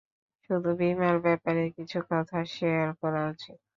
শুধু বীমার ব্যাপারে কিছু তথ্য শেয়ার করা উচিত!